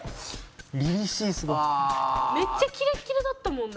めっちゃキレッキレだったもんな。